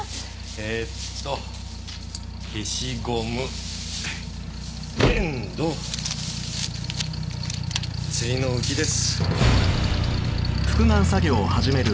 えっと消しゴム粘土釣りのウキです。